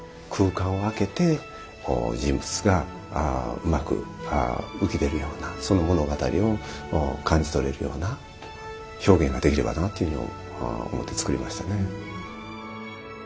空間を分けて人物がうまく浮き出るようなその物語を感じ取れるような表現ができればなと思って作りましたね。